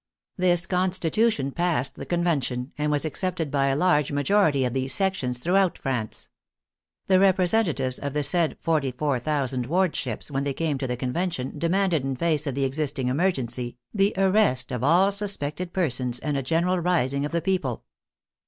This constitution passed the Convention, and was ac cepted by a large majority of th& " sections throughout 70 THE FRENCH REVOLUTION France. The representatives of the said forty four thou sand wardships, when they came to the Convention, de manded, in face of the existing emergency, " the arrest of all suspected persons and a general rising of the peo ple."